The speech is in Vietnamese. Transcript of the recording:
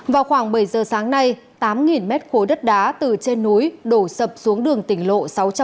vào khoảng bảy giờ sáng nay tám mét khối đất đá từ trên núi đổ sập xuống đường tỉnh lộ sáu trăm sáu mươi